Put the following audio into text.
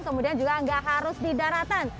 kemudian juga nggak harus di daratan